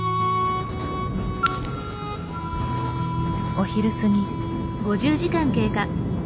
お昼過ぎ。